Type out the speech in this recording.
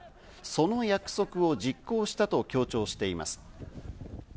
その約束を実行したと強調しています。